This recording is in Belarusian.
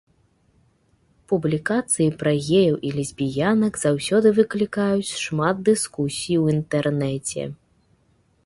Публікацыі пра геяў і лесбіянак заўсёды выклікаюць шмат дыскусій у інтэрнэце.